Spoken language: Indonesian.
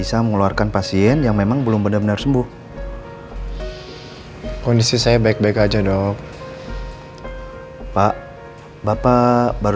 kamu ngeliat al sama perempuan itu di ruang rawat